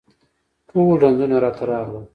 ټول رنځونه راته راغلل